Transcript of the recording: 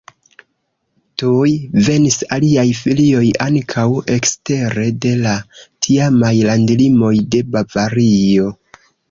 Tuj venis aliaj filioj ankaŭ ekstere de la tiamaj landlimoj de Bavario.